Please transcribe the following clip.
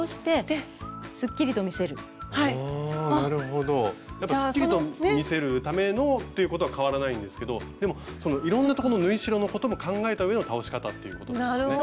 やっぱすっきりと見せるためのっていうことは変わらないんですけどでもいろんなとこの縫い代のことも考えた上の倒し方っていうことなんですね。